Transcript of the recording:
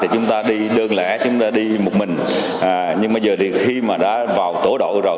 chúng ta đi đơn lẻ chúng ta đi một mình nhưng bây giờ thì khi mà đã vào tổ đội rồi